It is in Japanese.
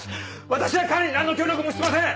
私は彼に何の協力もしてません！